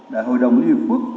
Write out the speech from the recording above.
đại hội đồng liên hiệp quốc